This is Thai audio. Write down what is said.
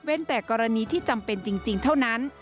แต่กรณีที่จำเป็นจริงเท่านั้น